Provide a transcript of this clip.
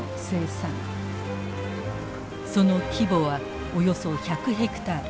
その規模はおよそ１００ヘクタール。